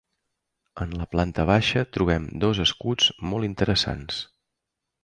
En la planta baixa trobem dos escuts molt interessants.